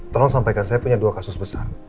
tolong sampaikan saya punya dua kasus besar